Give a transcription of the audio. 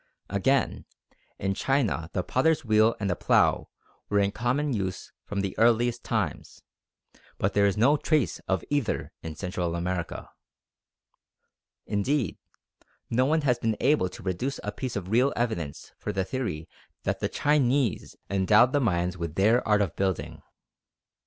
Again, in China the potter's wheel and the plough were in common use from the earliest times, but there is no trace of either in Central America. Indeed, no one has been able to produce a piece of real evidence for the theory that the Chinese endowed the Mayans with their art of building.